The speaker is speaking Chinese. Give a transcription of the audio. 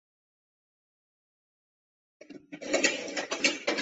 埃尔茨城堡是德国的一座中世纪时期城堡。